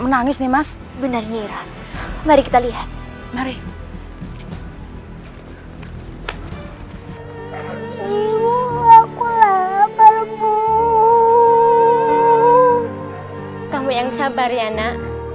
menangis nih mas benar nyira mari kita lihat mari ibu aku lapar bu kamu yang sabar ya nak